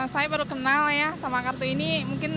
saya baru kenal ya sama kartu ini